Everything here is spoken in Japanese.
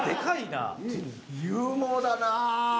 勇猛だな。